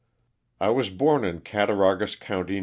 T WAS born in Cattaraugus county, N.